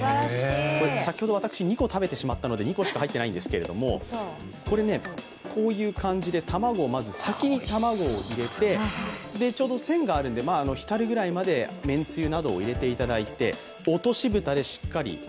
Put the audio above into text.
先ほど私、２個食べてしまったので２個しか入ってないんですけどこういう感じで先にまず卵入れて線があるので、ひたるぐらいまでめんつゆなどを入れていただいて落とし蓋でしっかり。